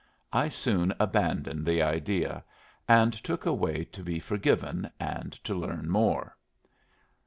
I soon abandoned the idea, and took a way to be forgiven, and to learn more.